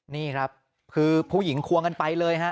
นี่ครับคือผู้หญิงควงกันไปเลยฮะ